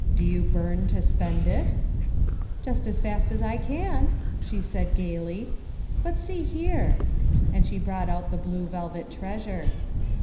Do you burn to spend it ?"" Just as fast as I can," she said, gayly ;" but see here," and she brought out the blue velvet treasure.